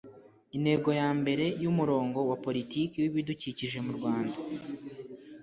intego ya mbere y'umurongo wa politiki w'ibidukikije mu rwanda